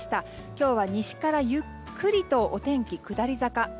今日は西からゆっくりとお天気が下り坂。